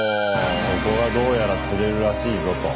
そこがどうやら釣れるらしいぞと。